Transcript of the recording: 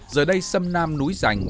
giờ đây sâm nam núi rành